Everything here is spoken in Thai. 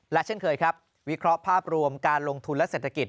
และเช่นเคยครับวิเคราะห์ภาพรวมการลงทุนและเศรษฐกิจ